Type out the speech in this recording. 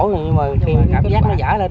nhưng mà khi cảm giác nó giả lên